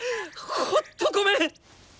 ほんっとごめん！